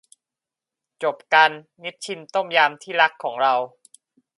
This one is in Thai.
จบกัน นิชชินต้มยำที่รักของเรา